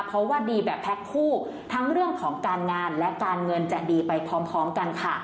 เพราะว่าดีแบบแพ็คคู่ทั้งเรื่องของการงานและการเงินจะดีไปพร้อมกันค่ะ